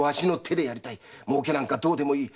儲けなんかどうでもいい。